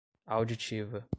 auditiva